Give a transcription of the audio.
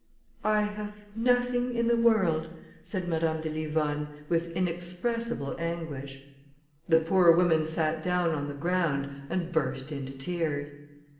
"I have nothing in the world," said Madame de Livonne, with inexpressible anguish. The poor woman sat down on the ground and burst into tears.